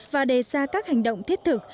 và đề ra các hành động thiết thực